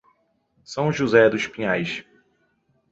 São José Dos Pinhais